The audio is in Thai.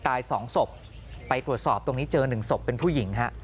ตายสองศพไปตรวจสอบตรงนี้เจอ๑ศพเป็นผู้หญิงฮะ